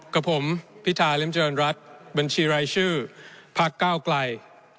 กับผมพิธาริมเจริญรัฐบัญชีรายชื่อพักก้าวไกล